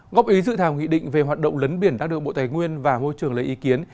ngọc ý dự thảo nghị định về hoạt động lấn biển đặc đội bộ tài nguyên và môi trường lấy ý kiến